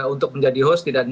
untuk menjadi host